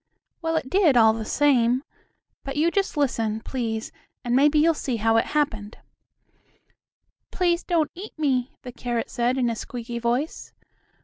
Well, it did all the same. But you just listen, please, and maybe you'll see how it happened. "Please don't eat me," the carrot said, in a squeaky voice.